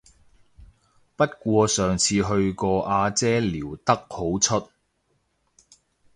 不過上次去個阿姐撩得好出